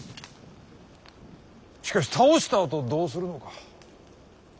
しかし倒したあとどうするのか。